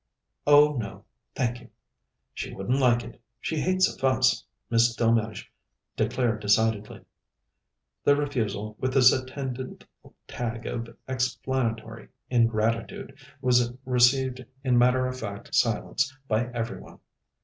"Oh, no, thank you. She wouldn't like it. She hates a fuss," Miss Delmege declared decidedly. The refusal, with its attendant tag of explanatory ingratitude, was received in matter of fact silence by every one.